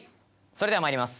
それではまいります